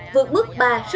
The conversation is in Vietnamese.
vượt mức ba